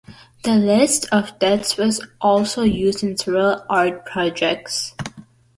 The "List of Deaths" was also used in several art projects.